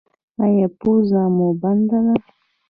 ایا پوزه مو بنده ده؟